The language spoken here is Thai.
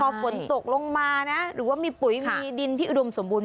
พอฝนตกลงมานะหรือว่ามีปุ๋ยมีดินที่อุดมสมบูรณ